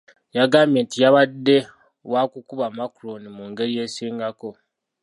Yagambye nti yabadde wa kukuba Macron mu ngeri esingako awo.